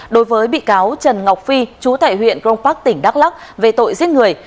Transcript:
đối với bị cáo trần ngọc phi chú tại huyện grong park tỉnh đắk lắc về tội giết người